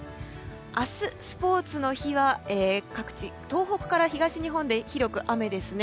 明日、スポーツの日は各地、東北から東日本で広く雨ですね。